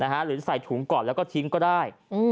หรือจะใส่ถุงก่อนแล้วก็ทิ้งก็ได้